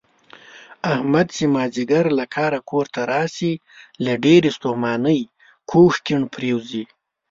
احمد چې مازدیګر له کاره کورته راشي، له ډېرې ستومانۍ کوږ کیڼ پرېوځي.